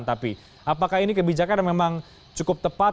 tapi apakah ini kebijakan yang memang cukup tepat